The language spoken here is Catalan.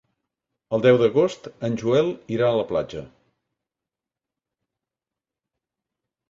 El deu d'agost en Joel irà a la platja.